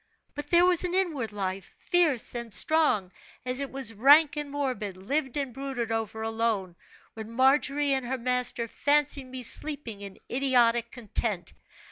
But there was an inward life, fierce and strong, as it was rank and morbid, lived and brooded over alone, when Margery and her master fancied me sleeping in idiotic content.